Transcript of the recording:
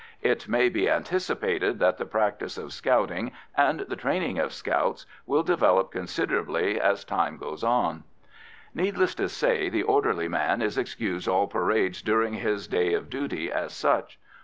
It may be anticipated that the practice of scouting and the training of scouts will develop considerably as time goes on. Needless to say, the orderly man is excused all parades during his day of duty as such.